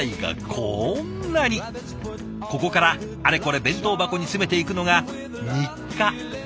ここからあれこれ弁当箱に詰めていくのが日課なんだとか。